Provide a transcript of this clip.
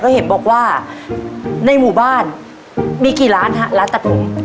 ก็เห็นบอกว่าในหมู่บ้านมีกี่ร้านฮะร้านตัดผม